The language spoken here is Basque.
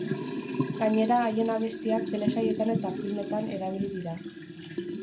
Gainera haien abestiak telesailetan eta filmetan erabili dira.